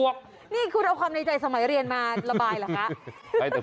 ก็คือใครจะสอนเรื่องการบวกเลข